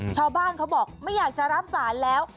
ชาวบ้านเขาบอกไม่อยากจะรับศาลแล้ว